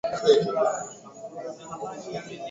Wakamshawishi Negus Sussenyos aliyekubali Ukatoliki kutakasa